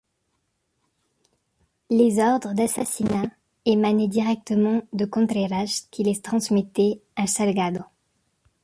Les ordres d'assassinat émanaient directement de Contreras qui les transmettaient à Salgado.